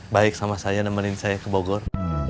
baik sama saya nemenin saya ke bogor